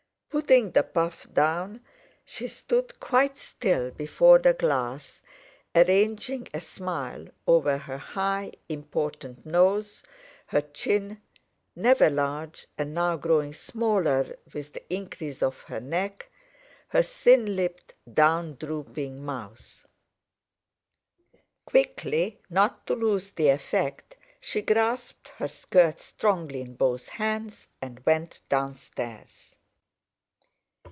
Putting the puff down, she stood quite still before the glass, arranging a smile over her high, important nose, her chin, (never large, and now growing smaller with the increase of her neck), her thin lipped, down drooping mouth. Quickly, not to lose the effect, she grasped her skirts strongly in both hands, and went downstairs.